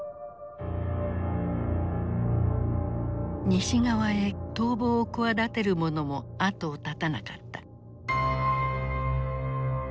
西側へ逃亡を企てる者も後を絶たなかった。